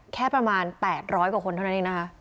แค่ประมาณ๘๐๐กว่าคนเท่านั้นเองนะคะ